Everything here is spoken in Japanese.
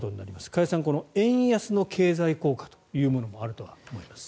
加谷さん円安の経済効果というものもあるとは思います。